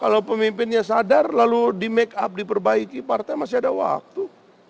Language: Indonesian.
kalau pemimpinnya sadar lalu di make up diperbaiki partai masih ada waktu